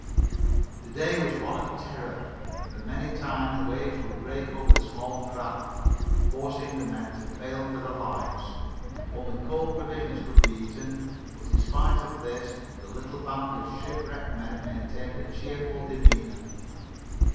The day was one of terror, for many times waves would break over the small craft, forcing the men to bail for their lives. Only cold provisions could be eaten, but in spite of this the little band of shipwrecked men maintained a cheerful demeanor.